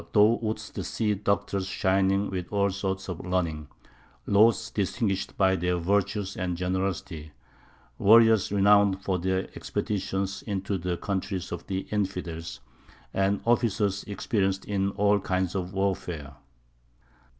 There thou wouldst see doctors shining with all sorts of learning, lords distinguished by their virtues and generosity, warriors renowned for their expeditions into the country of the infidels, and officers experienced in all kinds of warfare.